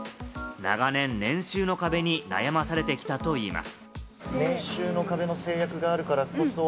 長年年収の壁に悩まされてきたといいます。